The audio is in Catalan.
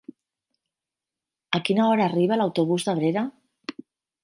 A quina hora arriba l'autobús d'Abrera?